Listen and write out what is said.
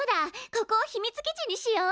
ここを秘密基地にしよう！